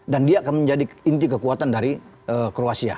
dan dia akan menjadi inti kekuatan dari kruasia